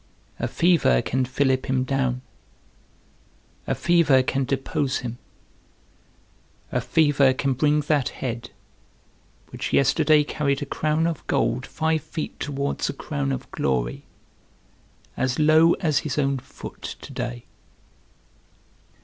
A fever can fillip him down, a fever can depose him; a fever can bring that head, which yesterday carried a crown of gold five feet towards a crown of glory, as low as his own foot to day.